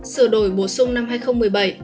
sửa đổi bổ sung năm hai nghìn một mươi bảy